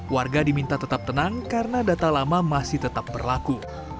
warga diminta tetap tenang karena data lama masih tetap berlaku